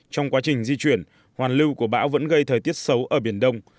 trong quá trình di chuyển hoàn lưu của bão vẫn gây thời tiết xấu ở biển đông